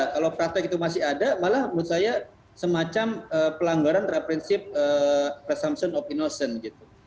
kalau praktek itu masih ada malah menurut saya semacam pelanggaran terhadap prinsip presumption opinotion gitu